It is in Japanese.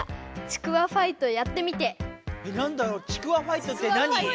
ちくわファイトって何？